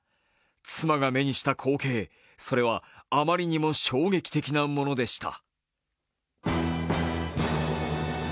妻が目にした光景、それはあまりにも衝撃的なものでした。